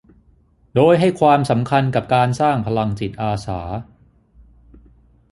โดยให้ความสำคัญกับการสร้างพลังจิตอาสา